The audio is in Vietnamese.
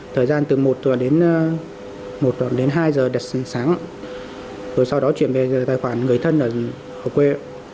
thời gian từ một đến hai giờ đặt sáng rồi sau đó chuyển về tài khoản người thân ở quê